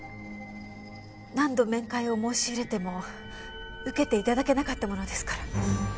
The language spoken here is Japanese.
何度面会を申し入れても受けて頂けなかったものですから。